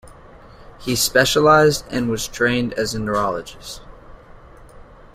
He specialized and was trained as a Neurologist.